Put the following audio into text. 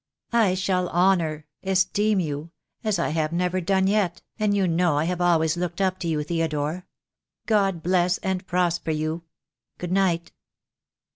"I shall honour — esteem you — as I have never done yet, and you know I have always looked up to you, Theo dore. God bless and prosper you. Good night."